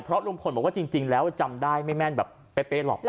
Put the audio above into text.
เพราะลุงพลบอกว่าจริงแล้วจำได้ไม่แม่นแบบเป๊ะหรอก